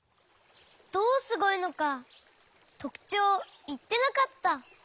どうすごいのかとくちょうをいってなかった。